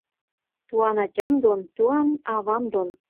Туан ӓтям дон, туан ӓвам дон